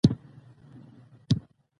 د افغانستان په منظره کې چنګلونه ښکاره ده.